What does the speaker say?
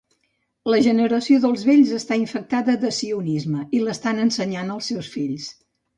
La generació dels vells està infectada de sionisme i l'estan ensenyant als seus fills.